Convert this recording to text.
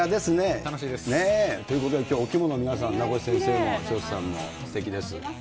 楽しいです。ということで、きょうはお着物を皆さん、名越先生も、すてきです。